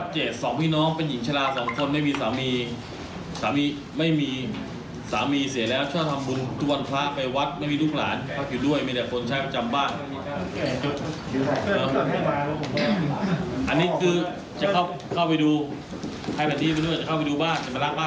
เข้าไปดูใครแบบนี้เข้าไปดูบ้านจะมาล้างบ้านหลังนี้แต่ยังไม่ทำ